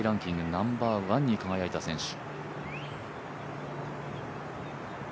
ナンバーワンになった選手。